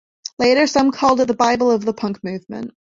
Later, some called it the Bible of the punk movement.